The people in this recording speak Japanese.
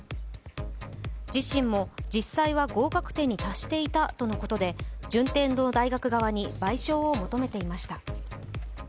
自身も実際は合格点に達していたとのことで順天堂大学側に賠償を求めていました。